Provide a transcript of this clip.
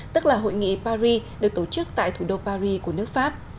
tức là hội nghị paris được tổ chức tại thủ đô paris của nước pháp